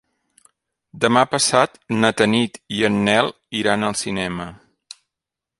Demà passat na Tanit i en Nel iran al cinema.